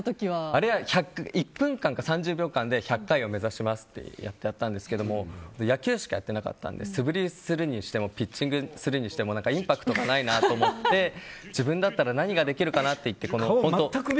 あれは１分間か３０秒間で１００回を目指しますってやったんですけど野球しかやってなかったんで素振りするにしてもピッチングするにしてもインパクトがないなと思って自分だったら何ができるかなって。